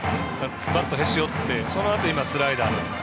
バットをへし折ってそのあと、今スライダーなんです。